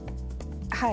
はい。